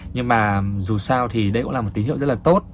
nhưng mà dù sao thì đây cũng là một tín hiệu rất là tốt